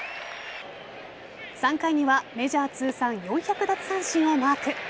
３回にはメジャー通算４００奪三振をマーク。